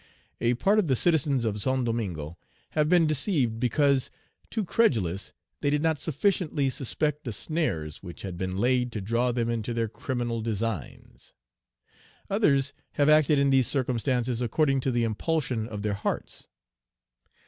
"A part of the citizens of St. Domingo have been deceived because, too credulous, they did not sufficiently suspect the snares which had been laid to draw them into their criminal Page 122 designs. Others have acted in these circumstances according to the impulsion of their hearts.